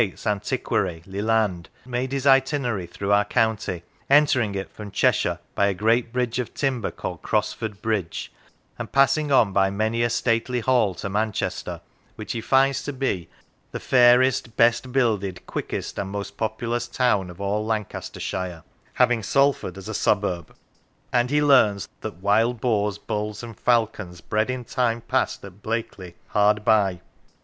's Antiquary, Leland, made his itinerary through our county, entering it from Cheshire by " a great bridge of timber called Crosford Bridge," and passing on by many a stately hall to Manchester, which he finds to be " the fairest, best builded, quickest, and most populous town of all Lancastershire," having Salford as " a suburb "; and he learns that " wild boars, bulls, and falcons bred in time past at Blackley " hard by.